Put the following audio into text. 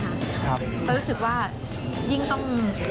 เพราะรู้สึกว่ายิ่งต้อง